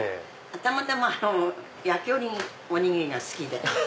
たまたま焼きおにぎりが好きで。